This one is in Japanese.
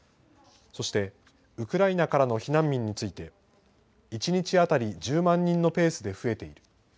そして、ウクライナからの避難民について一日当たり１０万人のペースで増えている。